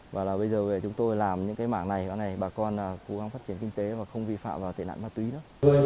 và là bây giờ chúng tôi làm những cái mảng này bà con cố gắng phát triển kinh tế và không vi phạm vào tệ nạn ma túy nữa